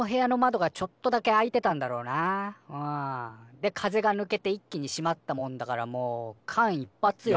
で風がぬけて一気に閉まったもんだからもう間一ぱつよ。